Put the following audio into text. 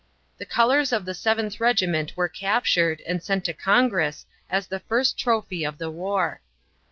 The colors of the Seventh Regiment were captured and sent to Congress as the first trophy of the war.